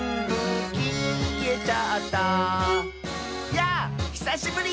「やぁひさしぶり！」